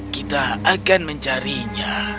kita akan mencarinya